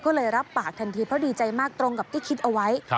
ก็เลยรับปากทันทีเพราะดีใจมากตรงกับที่คิดเอาไว้